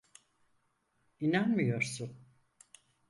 İnanmıyorsun.